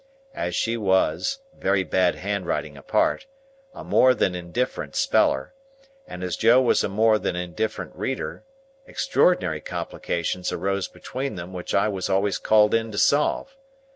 As she was (very bad handwriting apart) a more than indifferent speller, and as Joe was a more than indifferent reader, extraordinary complications arose between them which I was always called in to solve.